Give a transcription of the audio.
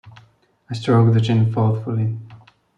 I stroked the chin thoughtfully.